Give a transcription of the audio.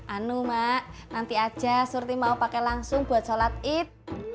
anu mak nanti aja surti mau pakai langsung buat sholat id